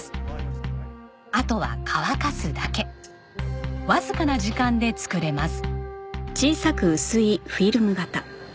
あとは乾かすだけわずかな時間で作れます。